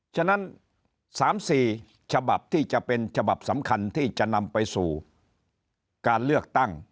ฉะนั้น๓๔ฉบับที่จะเป็นฉบับสำคัญที่จะนำไปสู่การเลือกตั้ง